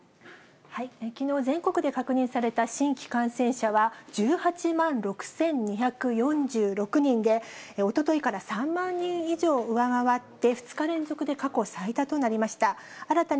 きのう、全国で確認された新規感染者は１８万６２４６人で、おとといから３万人以上上回って、２日連続で過去最多となりました。